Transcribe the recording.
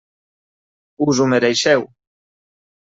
Us ho mereixeu.